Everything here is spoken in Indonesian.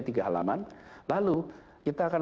tiga halaman lalu kita akan